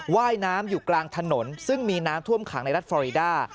ว่ายน้ำอยู่กลางถนนซึ่งมีน้ำท่วมขังในรัฐฟอรีดา